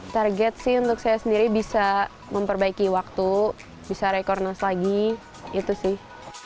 target sih untuk saya sendiri bisa memperbaiki waktu bisa rekornas lagi itu sih